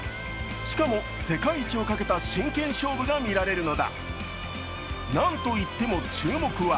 しかも世界一をかけた真剣勝負が見られるのだ。